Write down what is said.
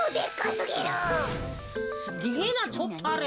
すげえなちょっとあれ。